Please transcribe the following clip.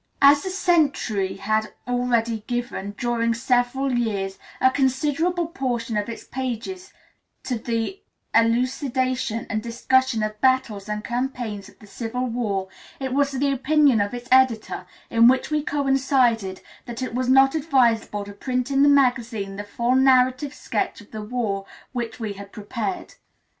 As "The Century" had already given, during several years, a considerable portion of its pages to the elucidation and discussion of the battles and campaigns of the civil war, it was the opinion of its editor, in which we coincided, that it was not advisable to print in the magazine the full narrative sketch of the war which we had prepared.